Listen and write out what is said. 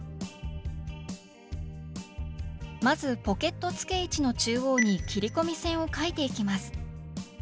まずポケット付け位置の中央に切り込み線を書いていきます。